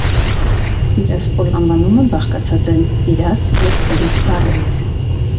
Տիրասպոլ անվանումը բաղկացած է տիրաս և պլիս բառերից։